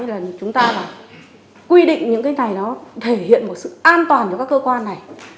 có trách nhiệm bồi thường nhà nước ở đây đối với những người bị thiệt hại là chúng ta quy định những cái này nó thể hiện một sự an toàn cho các cơ quan này